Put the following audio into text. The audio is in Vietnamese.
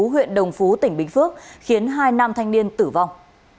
huyện đồng phú tỉnh bình phước khiến hai nam thanh niên tử vong